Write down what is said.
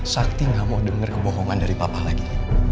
sakti gak mau denger kebohongan dari papa lagi